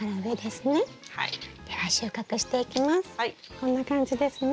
こんな感じですね？